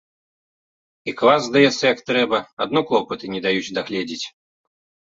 І квас, здаецца, як трэба, адно клопаты не даюць дагледзець.